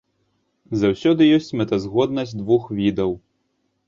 Заўсёды ёсць мэтазгоднасць двух відаў.